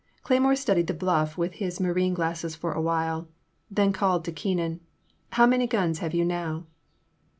Cleymore studied the bluff with his marine glasses for awhile, then called to Keenan: How many guns have you now